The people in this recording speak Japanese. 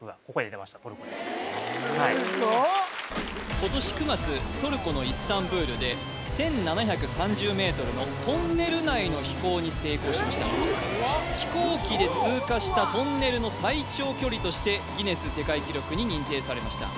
今年９月トルコのイスタンブールで１７３０ｍのトンネル内の飛行に成功しました飛行機で通過したトンネルの最長距離としてギネス世界記録に認定されました